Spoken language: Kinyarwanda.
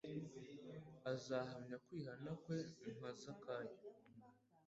azahamya kwihana kwe nka Zakayo;